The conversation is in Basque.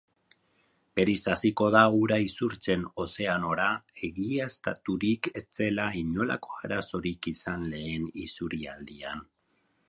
Berriz hasiko da ura isurtzen ozeanora, egiaztaturik ez zela inolako arazorik izan lehen isurialdian.